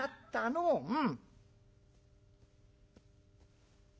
うん。